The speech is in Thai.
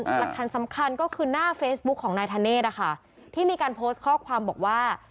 หลักฐานสำคัญก็คือหน้าเฟซบุ๊คของนายธเนธนะคะที่มีการโพสต์ข้อความบอกว่า